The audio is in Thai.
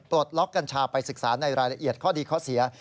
ปลดล็อกกัญชาไปศึกษาในรายละเอียดข้อดีข้อเสีย